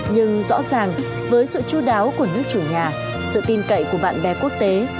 nhưng rõ ràng với sự chú đáo của nước chủ nhà sự tin cậy của bạn bè quốc tế